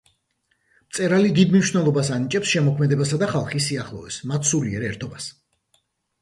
მწერალი დიდ მნიშვნელობას ანიჭებს შემოქმედებასა და ხალხის სიახლოვეს, მათს სულიერ ერთობას.